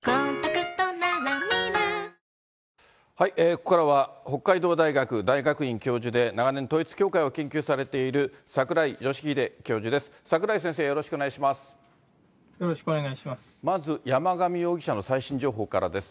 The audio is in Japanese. ここからは北海道大学大学院教授で、長年、統一教会を研究されている櫻井義秀教授です。